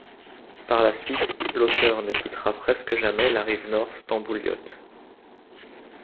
Par la suite, l'auteur ne quittera presque jamais la rive nord stambouliote.